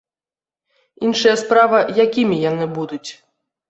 Іншая справа, якімі яны будуць.